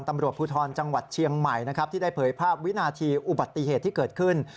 ตำรวจภูทรจังหวัดเชียงใหม่นะครับที่ได้เผยภาพวินาทีอุบัติเหตุที่เกิดขึ้น